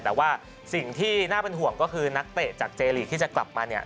แต่ว่าสิ่งที่น่าเป็นห่วงก็คือนักเตะจากเจลีกที่จะกลับมาเนี่ย